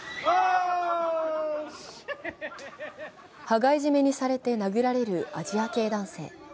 羽交い締めにされて殴られるアジア系男性。